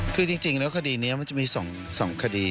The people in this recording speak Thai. คือจริงแล้วคดีนี้มันจะมี๒คดี